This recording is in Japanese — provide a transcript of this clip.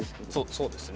そうですね。